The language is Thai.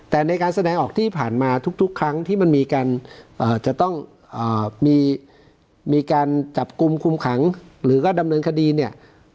แต่ในการแสดงออกที่ผ่านมาทุกครั้งที่มันมีการจะต้องมีการจับกลุ่มคุมขังหรือก็ดำเนินคดีเนี่ย